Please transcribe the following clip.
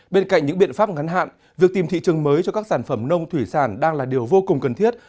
bên cạnh những biện pháp ngắn hạn việc tìm thị trường mới cho các sản phẩm nông thủy sản đang là điều vô cùng cần thiết